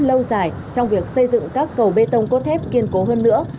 chúng tôi sẽ có những giải phóng lâu dài trong việc xây dựng các cầu bê tông cốt thép kiên cố hơn nữa